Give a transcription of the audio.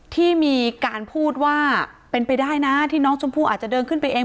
ที่มีการพูดว่าเป็นไปได้นะที่น้องชมพู่อาจจะเดินขึ้นไปเอง